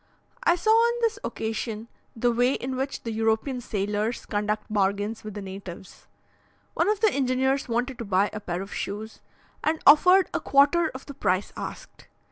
I saw on this occasion the way in which the European sailors conduct bargains with the natives. One of the engineers wanted to buy a pair of shoes, and offered a quarter of the price asked.